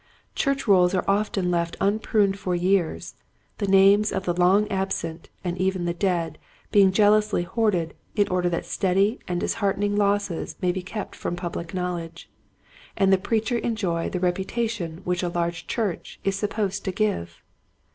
Church rolls are often left unpruned for years, the names of the long absent and even the dead being jealously hoarded in order that steady and dis heartening losses may be kept from public knowledge, and the preacher enjoy the reputation which a large church is sup posed to give.